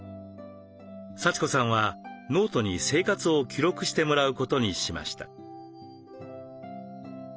幸子さんはノートに生活を記録してもらうことにしました。